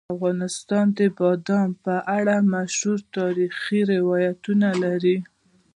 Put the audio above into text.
افغانستان د بادام په اړه مشهور تاریخی روایتونه لري.